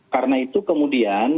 karena itu kemudian